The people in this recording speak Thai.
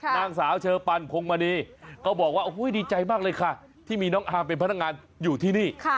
นางสาวเชอปันพงมณีก็บอกว่าโอ้โหดีใจมากเลยค่ะที่มีน้องอาร์มเป็นพนักงานอยู่ที่นี่